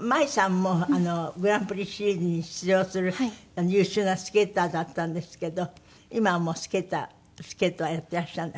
舞さんもグランプリシリーズに出場する優秀なスケーターだったんですけど今はもうスケートはやっていらっしゃらない？